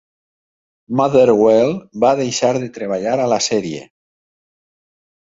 Motherwell va deixar de treballar a la sèrie.